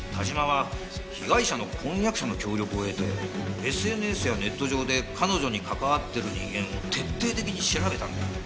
但馬は被害者の婚約者の協力を得てＳＮＳやネット上で彼女に関わってる人間を徹底的に調べたんだ。